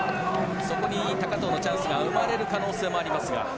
そこに高藤のチャンスが生まれる可能性もありますが。